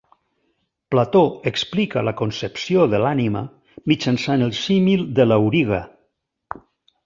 Plató explica la concepció de l'ànima mitjançant el símil de l'auriga.